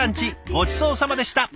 ごちそうさまでした。